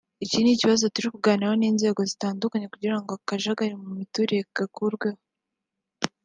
iki ni ikibazo turimo kuganiraho n’inzego zitandukanye kugira ngo akajagari mu miturire gakurweho